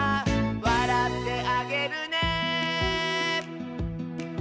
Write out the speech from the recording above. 「わらってあげるね」